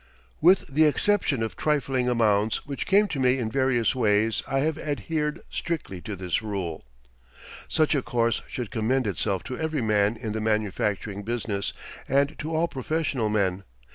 With the exception of trifling amounts which came to me in various ways I have adhered strictly to this rule. Such a course should commend itself to every man in the manufacturing business and to all professional men.